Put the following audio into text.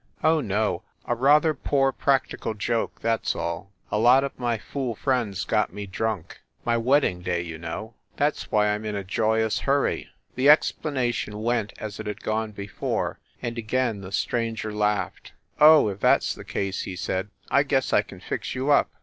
"Oh, no a rather poor practical joke, that s all. A lot of my fool friends got me drunk. My wedding day, you know. That s why I m in a joyous hurry." The explanation went as it had gone before, and again the stranger laughed. "Oh, if that s the case," he said, "I guess I can fix you up.